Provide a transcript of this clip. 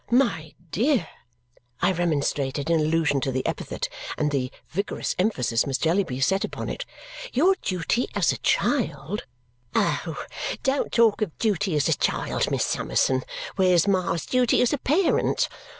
"My dear!" I remonstrated, in allusion to the epithet and the vigorous emphasis Miss Jellyby set upon it. "Your duty as a child " "Oh! Don't talk of duty as a child, Miss Summerson; where's Ma's duty as a parent?